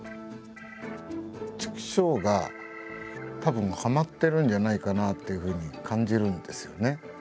「チクショー！！」がたぶんはまってるんじゃないかなっていうふうに感じるんですよね。